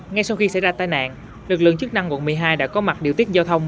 ngay sau khi xảy ra tai nạn lực lượng chức năng quận một mươi hai đã có mặt điều tiết giao thông